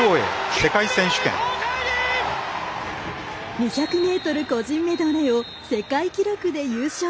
２００ｍ個人メドレーを世界記録で優勝。